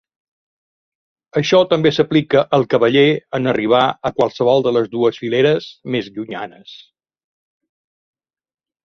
Això també s'aplica al cavaller en arribar a qualsevol de les dues fileres més llunyanes.